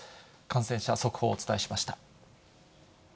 感染者速報をお伝えしました。